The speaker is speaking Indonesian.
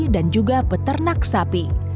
dan juga peternak sapi